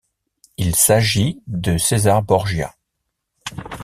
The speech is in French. Il s'agit de César Borgia.